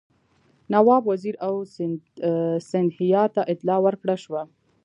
نواب وزیر او سیندهیا ته اطلاع ورکړه شوه.